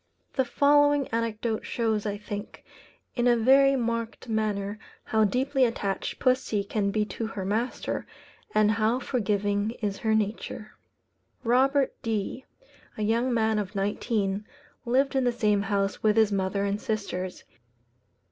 The following anecdote shows, I think, in a very marked manner, how deeply attached pussy can be to her master, and how forgiving is her nature. Robert D , a young man of nineteen, lived in the same house with his mother and sisters.